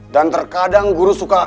dan terkadang guru suka